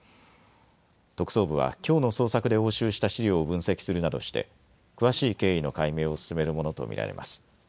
特捜部はきょうの捜索で押収した資料を分析するなどして詳しい経緯の解明を進めるものと見られます。